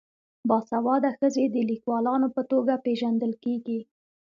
باسواده ښځې د لیکوالانو په توګه پیژندل کیږي.